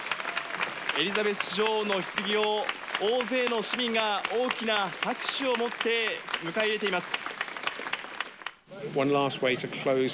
エリザベス女王のひつぎを、大勢の市民が大きな拍手をもって迎え入れています。